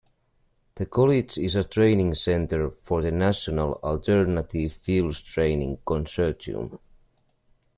The College is a Training Center for the National Alternative Fuels Training Consortium.